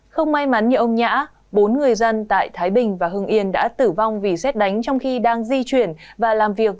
không may mắn như ông nhã bốn người dân tại thái bình và hưng yên đã tử vong vì xét đánh trong khi đang di chuyển và làm việc